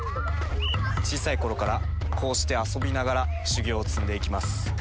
小さいころからこうして遊びながら修行を積んでいきます。